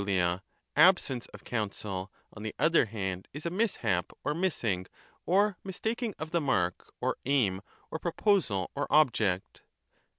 ia, absence of counsel, on the other hand, is a mishap, or missing, or mistaking of the mark, or aim, or proposal, or object.